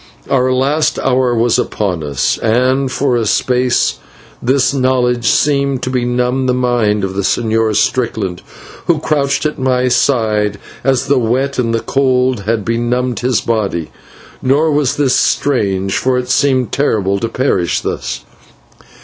Our last hour was upon us, and for a space this knowledge seemed to benumb the mind of the Señor Strickland, who crouched at my side, as the wet and cold had benumbed his body. Nor was this strange, for it seemed terrible to perish thus.